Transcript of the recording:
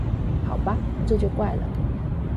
好吧，這就怪了